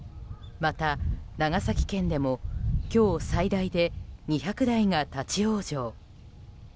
また、長崎県でも今日最大で２００台が立ち往生。